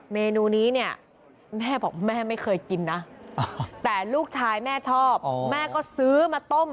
เมนูนี้เนี่ยแม่บอกแม่ไม่เคยกินนะแต่ลูกชายแม่ชอบแม่ก็ซื้อมาต้ม